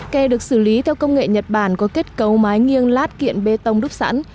kè được xử lý theo công nghệ nhật bản có kết cấu mái nghiêng lát kiện bê tông đúc sẵn